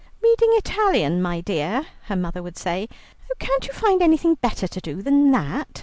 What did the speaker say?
"Reading Italian, my dear?" her mother would say. "Oh, can't you find anything better to do than that?